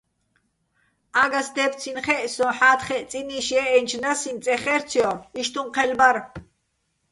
ა́გას დე́ფცინო̆ ხეჸ ცოჼ, ჰ̦ა́თხეჸ წინი́შ ჲე́ჸენჩო̆ ნასინ წე ხე́რცჲორ, იშტუჼ ჴელ ბარ.